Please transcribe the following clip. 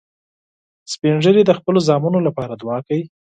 سپین ږیری د خپلو زامنو لپاره دعا کوي